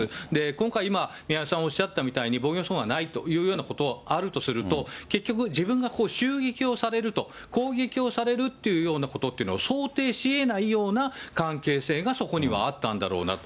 今回、今、宮根さんおっしゃったみたいに防御創はないということがあるとすると、結局、自分が襲撃をされると、攻撃をされるっていうようなことというのを想定しえないような関係性がそこにはあったんだろうなと。